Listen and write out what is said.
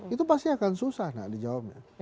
itu pasti akan susah nak dijawabnya